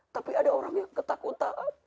tapi ada orang yang ketakutan